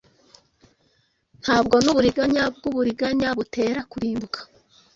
Ntabwo nuburiganya bwuburiganya butera kurimbuka